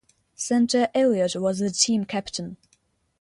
Center Elliot was the team captain.